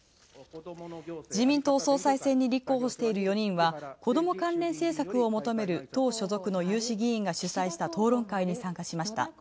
自民党総裁選に立候補している４人は子供関連政策を求める党所属の有志議員が主催した討論会に参加しました。